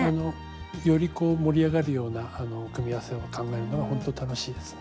より盛り上がるような組み合わせを考えるのがほんと楽しいですね。